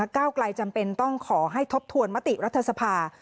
ก้าวไกลจำเป็นต้องขอให้ทบทวนมติรัฐสภา